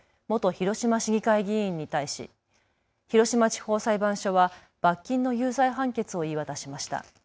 広島市議会議員に対し広島地方裁判所は罰金の有罪判決を言い渡しました。